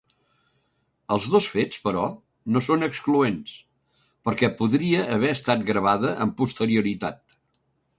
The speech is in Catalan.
Els dos fets, però, no són excloents, perquè podria haver estat gravada amb posterioritat.